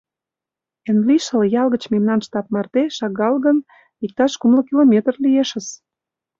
Эн лишыл ял гыч мемнан штаб марте, шагал гын, иктаж кумло километр лиешыс».